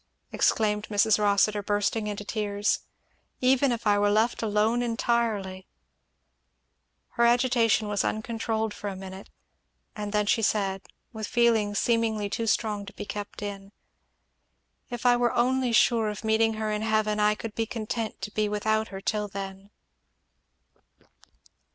exclaimed Mrs. Rossitur bursting into tears, "even if I were left alone entirely " Her agitation was uncontrolled for a minute, and then she said, with feeling seemingly too strong to be kept in, "If I were only sure of meeting her in heaven, I could be content to be without her till then!